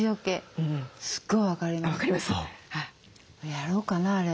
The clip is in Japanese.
やろうかなあれ。